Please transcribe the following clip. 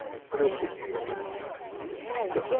それを見ていきましょう。